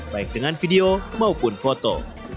baik dengan video maupun foto